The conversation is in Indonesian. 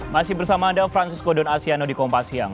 masih bersama ada francisco don asiano di kompas siang